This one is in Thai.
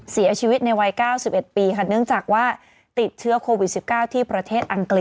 เสียชีวิตในวัย๙๑ปีค่ะเนื่องจากว่าติดเชื้อโควิด๑๙ที่ประเทศอังกฤษ